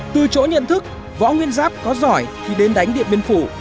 từ chỗ nhận thức võ nguyên giáp có giỏi thì đến đánh điện biên phủ